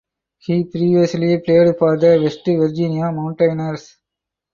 He previously played for the West Virginia Mountaineers.